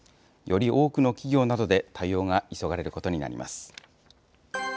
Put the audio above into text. より多くの企業などで対応が急がれることになります。